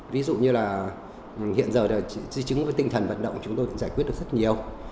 ví dụ như là hiện giờ là di chứng với tinh thần vận động chúng tôi cũng giải quyết được rất nhiều